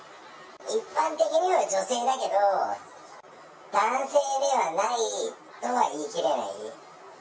一般的には女性だけど、男性ではないとは言いきれない。